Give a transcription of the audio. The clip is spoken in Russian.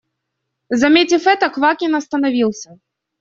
Заметив это, Квакин остановился.